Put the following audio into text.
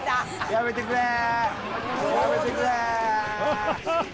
やめてくれー！